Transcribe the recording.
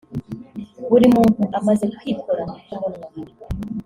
Buri muntu amaze kwikora ku munwa